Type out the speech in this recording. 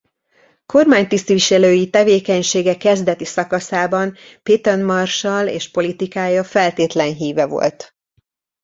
Kormánytisztviselői tevékenysége kezdeti szakaszában Pétain marsall és politikája feltétlen híve volt.